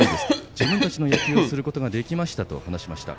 自分たちの野球をすることができましたと話しました。